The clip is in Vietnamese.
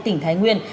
tỉnh thái nguyên